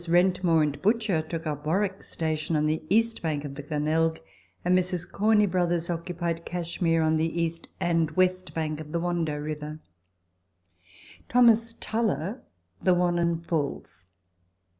Wrentmore and Butcher took up Warrock Station on the east bank of the Glenelg, and Messrs. Corney Brothers occupied Cashmere on the east and west bank of the Wando River; Thomas Tulloh the Wannon Falls.